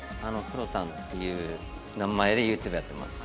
ぷろたんっていう名前でＹｏｕＴｕｂｅやってます。